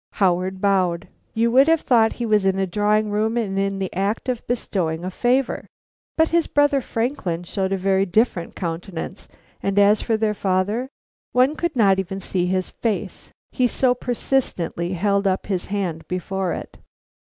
Howard bowed. You would have thought he was in a drawing room, and in the act of bestowing a favor. But his brother Franklin showed a very different countenance, and as for their father, one could not even see his face, he so persistently held up his hand before it.